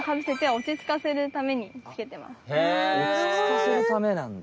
落ち着かせるためなんだ。